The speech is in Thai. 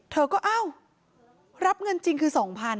เธอก็อ้าวรับเงินจริงคือ๒๐๐๐